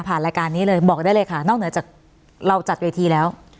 รายการนี้เลยบอกได้เลยค่ะนอกเหนือจากเราจัดเวทีแล้ว